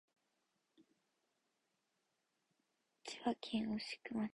千葉県御宿町